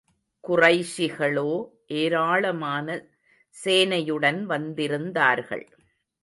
குறைஷிகளோ ஏராளமான சேனையுடன் வந்திருந்தார்கள்.